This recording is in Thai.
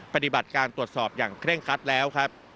ปฏิบัติการตรวจสอบอย่างเคร่งคัดแล้วครับ